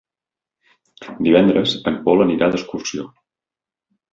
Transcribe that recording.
Divendres en Pol anirà d'excursió.